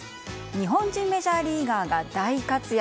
日本人メジャーリーガーが大活躍。